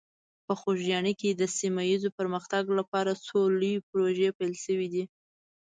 په خوږیاڼي کې د سیمه ایز پرمختګ لپاره څو لویې پروژې پیل شوي دي.